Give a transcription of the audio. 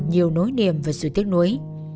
nhiều nối niềm và sự tiếc nuối